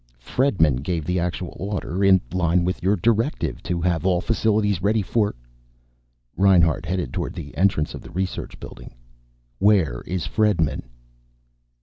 "Fredman gave the actual order. In line with your directive to have all facilities ready for " Reinhart headed toward the entrance of the research building. "Where is Fredman?"